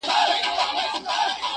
خونه له شنو لوګیو ډکه ډېوه نه بلیږي-